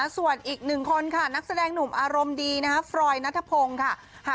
ส่วนอีกหนึ่งคนค่ะนักแสดงหนุ่มอารมณ์ดีฟรอยนัทพงศ์ค่ะ